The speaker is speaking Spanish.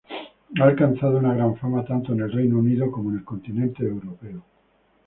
Ha alcanzado una gran fama tanto en Reino Unido, como en el continente europeo.